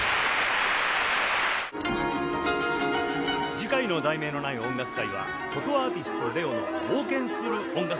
次回の『題名のない音楽会』は「箏アーティスト・ ＬＥＯ の冒険する音楽会」